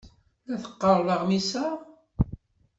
La teqqareḍ aɣmis-a?